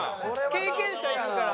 経験者いるから。